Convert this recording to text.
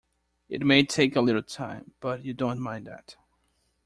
It may take a little time, but you don't mind that.